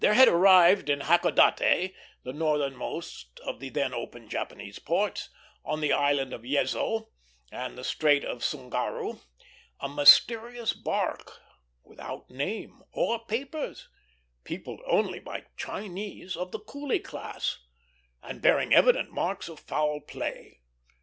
There had arrived at Hakodate, the northernmost of the then open Japanese ports, on the island of Yezo and Strait of Tsugaru, a mysterious bark, without name or papers, peopled only by Chinese of the coolie class, and bearing evident marks of foul play.